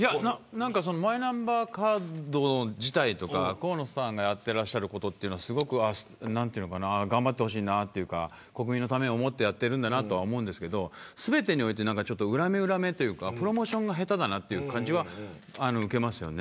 マイナンバーカード自体とか河野さんがやってらっしゃることはすごく頑張ってほしいなというか国民のためを思ってやってるんだと思いますが全てにおいて裏目裏目というかプロモーションが下手だなという感じは受けます。